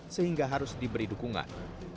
sehingga harus diberi dukungan